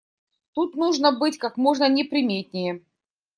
Тут нужно быть как можно неприметнее.